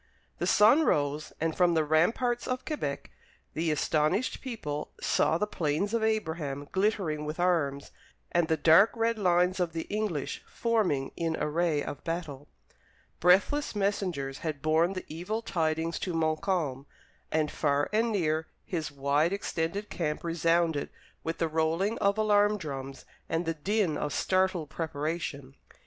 The sun rose, and from the ramparts of Quebec the astonished people saw the Plains of Abraham glittering with arms, and the dark red lines of the English forming in array of battle. Breathless messengers had borne the evil tidings to Montcalm, and far and near his wide extended camp resounded with the rolling of alarm drums and the din of startled preparation.